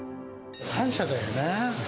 感謝だよね。